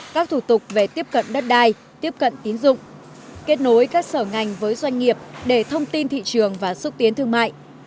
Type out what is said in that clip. các thủ tục về tiếp cận đất đai tiếp cận tín dụng kết nối các sở ngành với doanh nghiệp để thông tin thị trường và xúc tiến thương mại